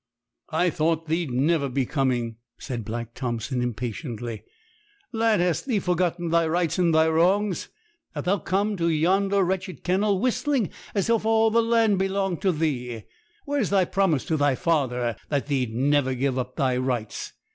'I thought thee'd never be coming,' said Black Thompson impatiently. 'Lad, hast thee forgotten thy rights and thy wrongs, that thou comes to yonder wretched kennel whistling as if all the land belonged to thee? Where's thy promise to thy father, that thee'd never give up thy rights?